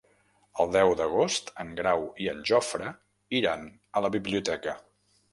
El deu d'agost en Grau i en Jofre iran a la biblioteca.